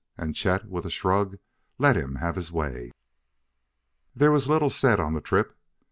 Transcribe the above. And Chet, with a shrug, let him have his way. There was little said on the trip.